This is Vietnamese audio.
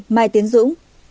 bốn mươi mai tiến dũng